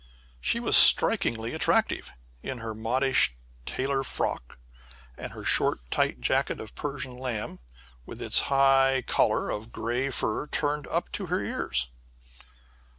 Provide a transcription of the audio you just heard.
She was strikingly attractive, in her modish tailor frock, and her short tight jacket of Persian lamb, with its high, collar of grey fur turned up to her ears.